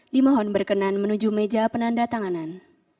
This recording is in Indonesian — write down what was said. dimohon berkenan menuju meja penanda tanganan